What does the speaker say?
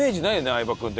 相葉君ってね。